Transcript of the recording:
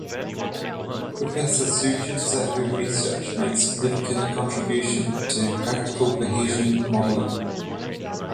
Professor Sujit Sahu research makes significant contribution to practical Bayesian modelling.